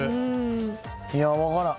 いや分からん。